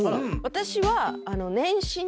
私は。